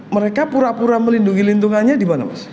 mereka pura pura melindungi lingkungannya di mana mas